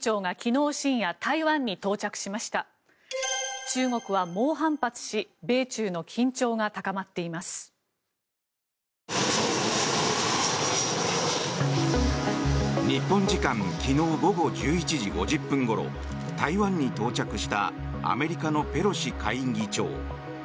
日本時間昨日午後１１時５０分ごろ台湾に到着したアメリカのペロシ下院議長。